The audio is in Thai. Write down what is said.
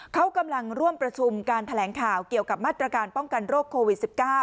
เขากำลังร่วมประชุมการแถลงข่าวเกี่ยวกับมาตรการป้องกันโรคโควิด๑๙